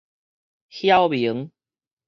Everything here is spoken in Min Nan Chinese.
曉明